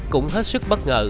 cũng hết sức bất ngờ